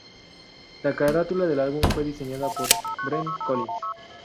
La carátula del álbum fue diseñada por Brent Collins.